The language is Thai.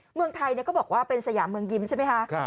เมืองไทยก็บอกว่าเป็นสยามเมืองยิ้มใช่ไหมคะ